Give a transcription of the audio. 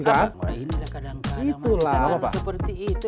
karena ini kadang kadang masih selalu seperti itu